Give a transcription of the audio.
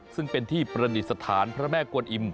ซึ่งเป็นที่ประดิษฐานพระแม่กวนอิ่ม